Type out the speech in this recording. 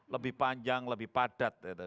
lebih panjang lebih padat